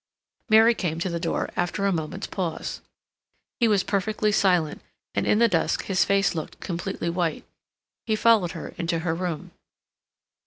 Mary came to the door after a moment's pause. He was perfectly silent, and in the dusk his face looked completely white. He followed her into her room.